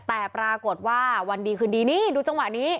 แต่ปรากฏว่าวันดีคืนดีนี่ดูจังหวะนี้